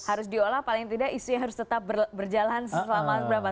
harus diolah paling tidak isunya harus tetap berjalan selama berapa